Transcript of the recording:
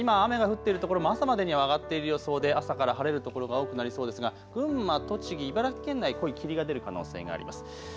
今、雨が降っているところも朝までに上がっている予想で朝から晴れる所が多くなりそうですが群馬、栃木、茨城県内濃い霧が出る可能性があります。